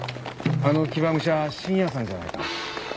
あの騎馬武者信也さんじゃないか？